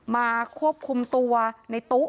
มาควบคุมตัวในตู้